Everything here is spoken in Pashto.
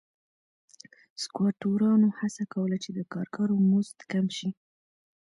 سکواټورانو هڅه کوله چې د کارګرو مزد کم شي.